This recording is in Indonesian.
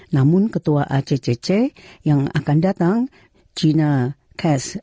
namun ketua acc yang akan datang gina cass